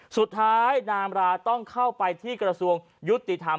สุดท้ายนามราต้องเข้าไปที่กระทรวงยุติธรรม